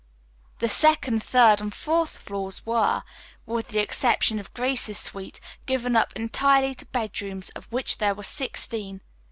The second, third and fourth floors were, with the exception of Grace's suite, given up entirely to bedrooms, of which there were sixteen.